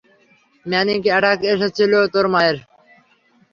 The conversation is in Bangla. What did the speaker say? ম্যানিক অ্যাটাক এসেছিল তোর মায়ের।